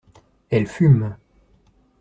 Elle fume.